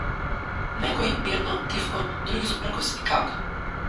Некои мирно, тивко, други со пркос и кавга.